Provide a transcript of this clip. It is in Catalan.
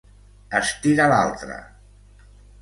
Estira l'altre!